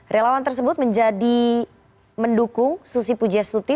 relawan tersebut menjadi mendukung susi pujastuti